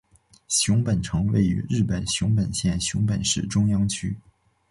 熊本城位于日本熊本县熊本市中央区。